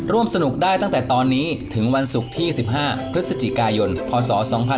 ร่วมสนุกได้ตั้งแต่ตอนนี้ถึงวันศุกร์ที่๑๕พฤศจิกายนพศ๒๕๖๒